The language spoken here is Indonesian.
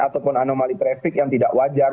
ataupun anomali trafik yang tidak wajar